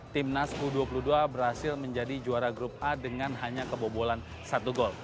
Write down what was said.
timnas u dua puluh dua berhasil menjadi juara grup a dengan hanya kebobolan satu gol